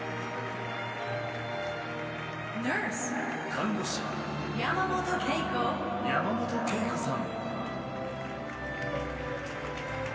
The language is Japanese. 看護師、山元恵子さん。